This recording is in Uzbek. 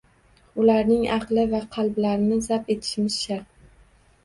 Ularning aqli va qalblarini zabt etishimiz shart